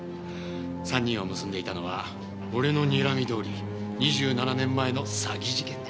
３人を結んでいたのは俺の睨みどおり２７年前の詐欺事件だ。